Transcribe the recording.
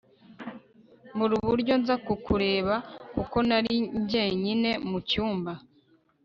mbura uburyo nza kukureba kuko nari njyenyine mu cyumba